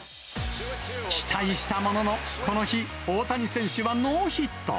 期待したものの、この日、大谷選手はノーヒット。